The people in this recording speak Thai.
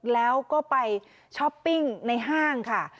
แล้วก็ไปช้อปปิ้งในห้างค่ะ